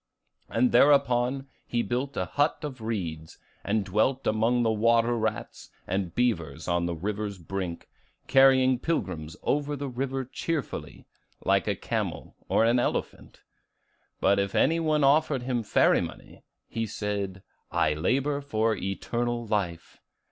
And thereupon he built a hut of reeds, and dwelt among the water rats and beavers on the river's brink, carrying pilgrims over the river cheerfully, like a camel or an elephant. But if any one offered him ferry money, he said, 'I labor for eternal life!